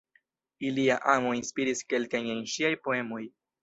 Ilia amo inspiris kelkajn el ŝiaj poemoj.